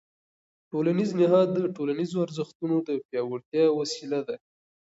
ټولنیز نهاد د ټولنیزو ارزښتونو د پیاوړتیا وسیله ده.